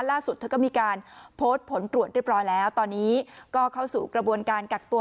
เธอก็มีการโพสต์ผลตรวจเรียบร้อยแล้วตอนนี้ก็เข้าสู่กระบวนการกักตัว